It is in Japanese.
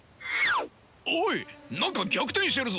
おい何か逆転してるぞ！